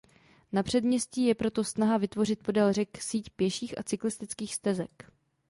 Na předměstí je proto snaha vytvořit podél řeky síť pěších a cyklistických stezek.